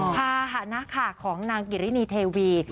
พาหนะขาของนางกิรินีเทวี